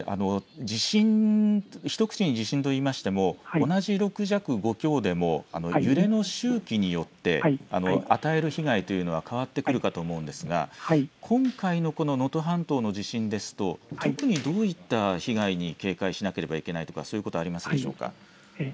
一口に地震といいましても同じ６弱、５強でも揺れの周期によって与える被害というのは変わってくるかと思うんですが今回のこの能登半島の地震ですと特にどういった被害に警戒しなければいけないとかそういうことはありますでしょうか。